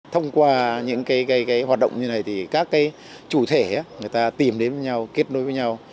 thông qua những hoạt động như này thì các chủ thể người ta tìm đến với nhau kết nối với nhau